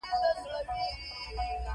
چې د قبرستان په طرف روانه وه.